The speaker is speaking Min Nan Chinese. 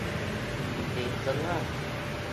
下庄仔